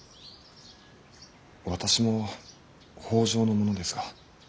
私も北条の者ですが。